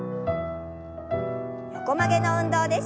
横曲げの運動です。